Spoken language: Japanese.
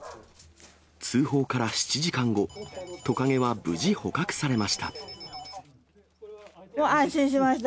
通報から７時間後、トカゲは無事捕獲されました。